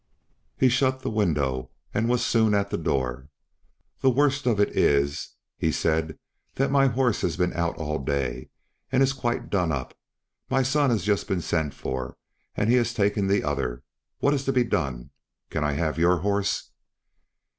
He shut the window and was soon at the door. "The worst of it is," he said, "that my horse has been out all day, and is quite done up; my son has just been sent for, and he has taken the other. What is to be done? Can I have your horse?"